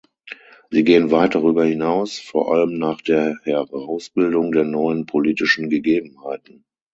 Sie gehen weit darüber hinaus, vor allem nach der Herausbildung der neuen politischen Gegebenheiten.